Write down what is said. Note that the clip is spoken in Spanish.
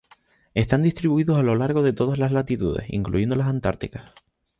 Están distribuidos a lo largo de todas las latitudes, incluyendo las antárticas.